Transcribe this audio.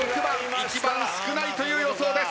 一番少ないという予想です。